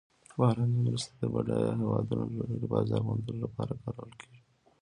بهرنۍ مرستې د بډایه هیوادونو له لوري بازار موندلو لپاره کارول کیږي.